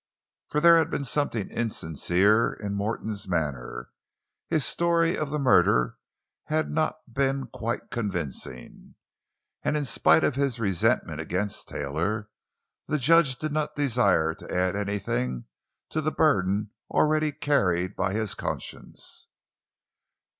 For there had been something insincere in Morton's manner—his story of the murder had not been quite convincing—and in spite of his resentment against Taylor the judge did not desire to add anything to the burden already carried by his conscience.